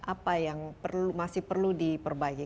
apa yang masih perlu diperbaiki